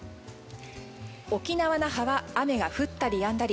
沖縄・那覇は雨が降ったりやんだり。